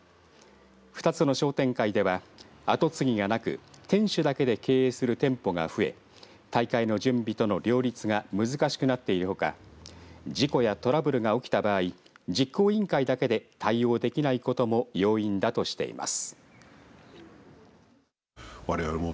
２つの商店会では後継ぎがなく店主だけで経営する店舗が増え大会の準備との両立が難しくなっているほか事故やトラブルが起きた場合実行委員会だけで対応できないことも要因だとしています。